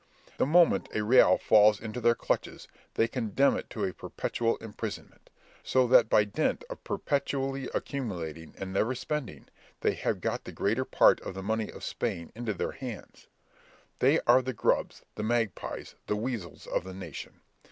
The moment a real falls into their clutches, they condemn it to perpetual imprisonment; so that by dint of perpetually accumulating and never spending, they have got the greater part of the money of Spain into their hands. They are the grubs, the magpies, the weasels of the nation.